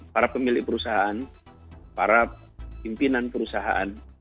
para pemilik perusahaan para pimpinan perusahaan